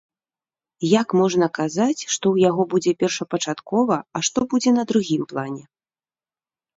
Як можна казаць, што ў яго будзе першапачаткова, а што будзе на другім плане?